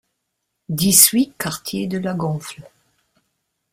dix-huit quartier de la Gonfle